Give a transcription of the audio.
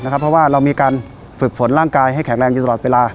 เพราะว่าเรามีการฝึกฝนร่างกายให้แข็งแรงอยู่ตลอดเวลา